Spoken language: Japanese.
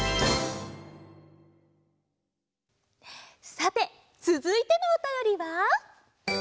さてつづいてのおたよりは。